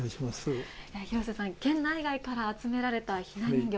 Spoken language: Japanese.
廣瀬さん、県内外から集められたひな人形。